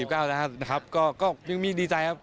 ๕๐แล้วครับครับก็ยังมีดีใจครับ